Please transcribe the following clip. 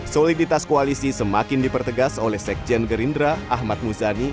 soliditas koalisi semakin dipertegas oleh sekjen gerindra ahmad muzani